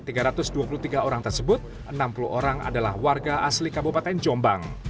dari tiga ratus dua puluh tiga orang tersebut enam puluh orang adalah warga asli kabupaten jombang